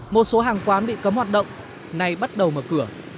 một số hàng quán bị cấm hoạt động nay bắt đầu mở cửa